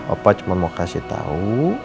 opa cuma mau kasih tahu